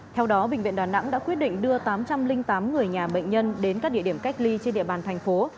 theo đó bệnh viện đà nẵng đã quyết định đưa tám trăm linh tám người nhà bệnh nhân đến các địa điểm cách ly trên địa bàn thành phố